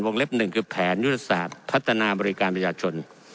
เล็บ๑คือแผนยุทธศาสตร์พัฒนาบริการประชาชน